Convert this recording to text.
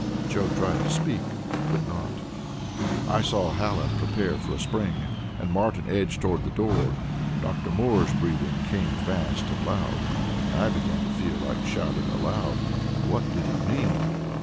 Joe tried to speak, but could not. I saw Hallen prepare for a spring, and Martin edge toward the door. Dr. Moore's breathing came deep and fast, and I began to feel like shouting aloud. What did it mean?